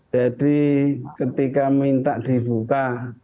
jadi ketika minta dibuka